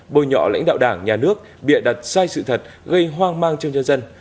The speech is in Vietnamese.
bôi nhọ lãnh đạo đảng nhà nước bịa đặt sai sự thật gây hoang mang trong nhân dân